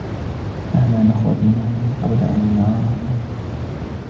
دعنا نخرج من هنا قبل أن يرانا توم.